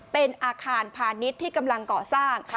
เป็นอาคารพาณิชย์ที่กำลังก่อสร้าง